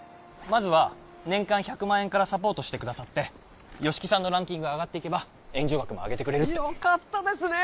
まずは年間１００万円からサポートしてくださって吉木さんのランキングが上がっていけば援助額も上げてくれるってよかったですね